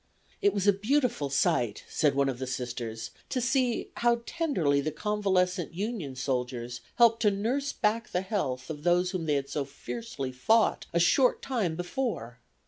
"'It was a beautiful sight,' said one of the Sisters, 'to see how tenderly the convalescent Union soldiers helped to nurse back the health of those whom they had so fiercely fought a short time before.